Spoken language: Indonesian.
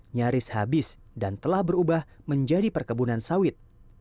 nyaris habis dan telah berubah menjadi perkebunan sawit